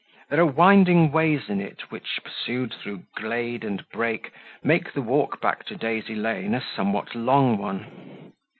There are winding ways in it which, pursued through glade and brake, make the walk back to Daisy Lane a somewhat long one.